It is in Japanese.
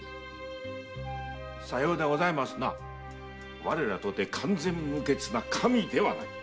さようでございますな我らとて完全無欠な神ではない。